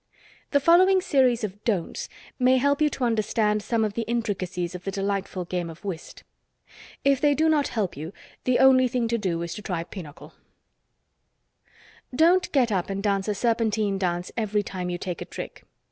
The following series of "Don'ts" may help you to understand some of the intricacies of the delightful game of whist. If they do not help you the only thing to do is to try pinochle: Don't get up and dance a serpentine dance every time you take a trick.